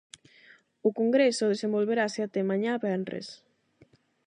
O congreso desenvolverase até mañá venres.